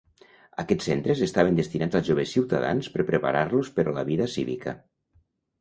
Aquests centres estaven destinats als joves ciutadans per preparar-los per a la vida cívica.